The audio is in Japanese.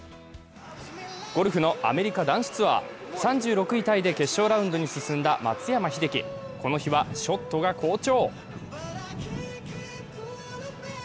ゴルフのアメリカ男子ツアー、３６位タイで決勝ラウンドに進んだ松山英樹、この日はショットが好調。